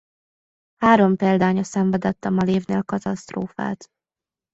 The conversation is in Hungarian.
Három példánya szenvedett a Malév-nél katasztrófát.